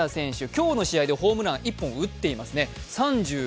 今日の試合でホームラン一本を打っていますね